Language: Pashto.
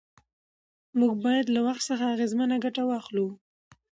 موږ باید له وخت څخه اغېزمنه ګټه واخلو